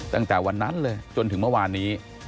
ตั้งแต่วันนั้นเลยจนถึงเมื่อวานนี้